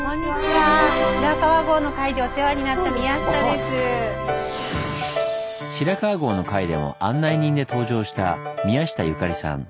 「白川郷」の回でも案内人で登場した宮下由香里さん。